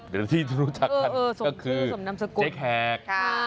เดี๋ยวที่รู้จักกันก็คือเจ๊แขก